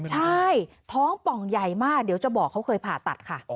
ใช่ท้องป่องใหญ่มากเดี๋ยวจะบอกเขาเคยผ่าตัดค่ะ